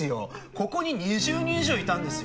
ここに２０人以上いたんですよ。